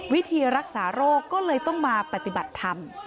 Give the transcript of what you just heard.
วิธีรักษาโรคก็เลยต้องมาปฏิบัติธรรม